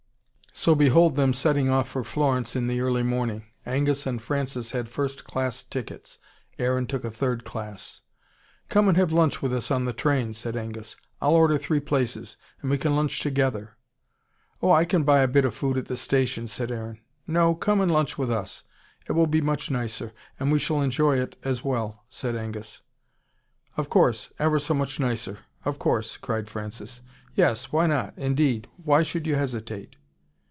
So behold them setting off for Florence in the early morning. Angus and Francis had first class tickets: Aaron took a third class. "Come and have lunch with us on the train," said Angus. "I'll order three places, and we can lunch together." "Oh, I can buy a bit of food at the station," said Aaron. "No, come and lunch with us. It will be much nicer. And we shall enjoy it as well," said Angus. "Of course! Ever so much nicer! Of course!" cried Francis. "Yes, why not, indeed! Why should you hesitate?"